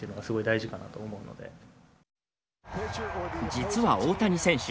実は大谷選手